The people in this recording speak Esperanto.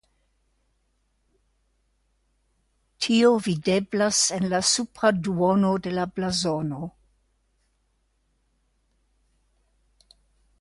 Tio videblas en la supra duono de la blazono.